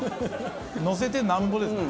のせてなんぼですね。